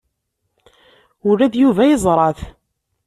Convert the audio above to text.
Ula d Yuba yeẓra-t.